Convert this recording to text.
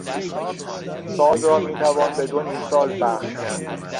سال را میتوان به دو نیمسال بخش کرد.